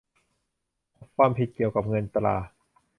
ความผิดเกี่ยวกับเงินตรา